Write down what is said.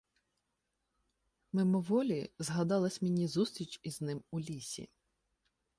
"— мимоволі згадалася мені зустріч із ним у лісі.